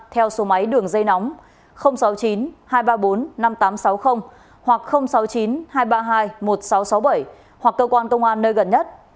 theo số máy đường dây nóng sáu mươi chín hai trăm ba mươi bốn năm nghìn tám trăm sáu mươi hoặc sáu mươi chín hai trăm ba mươi hai một nghìn sáu trăm sáu mươi bảy hoặc cơ quan công an nơi gần nhất